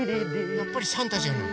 やっぱりサンタじゃない。